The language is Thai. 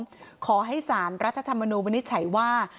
ที่ไม่ถูกต้องของผู้ร้องขอให้ศาลรัฐธรรมนุมนิจฉัยว่า